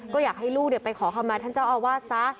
ก็อยากให้ลูกไปขอคำมาท่านเจ้าอาวาสซะ